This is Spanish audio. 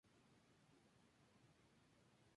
Esto es lo que se denomina "protocolo".